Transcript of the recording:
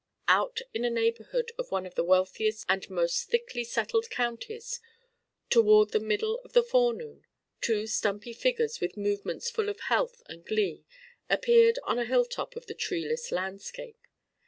Out in a neighborhood of one of the wealthiest and most thickly settled counties, toward the middle of the forenoon, two stumpy figures with movements full of health and glee appeared on a hilltop of the treeless landscape.